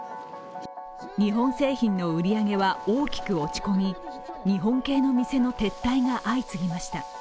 日本製品の売り上げは大きく落ち込み、日本系の店の撤退が相次ぎました。